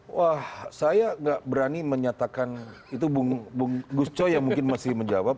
wah saya nggak berani menyatakan itu bung gus coy yang mungkin masih menjawab